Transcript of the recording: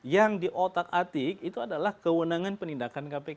yang di otak atik itu adalah kewenangan penindakan kpk